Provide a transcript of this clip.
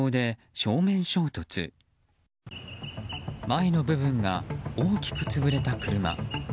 前の部分が大きく潰れた車。